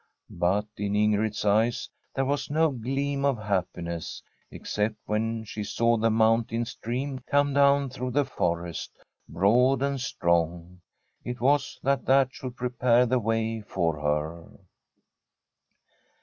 But in Ingrid's eyes there was [io8] Tbi STORY of a COUNTRY HOUSE no gleam of happiness, except when she saw the mountain stream come down through the forest, broad and strong. It was that that should pre pare the way for her.